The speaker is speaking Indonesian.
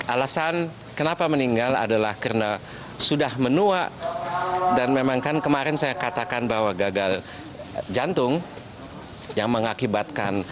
alasan kenapa meninggal adalah karena sudah menua dan memang kan kemarin saya katakan bahwa gagal jantung yang mengakibatkan